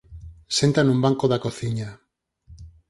Senta nun banco da cociña.